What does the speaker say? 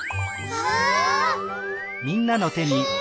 わあ！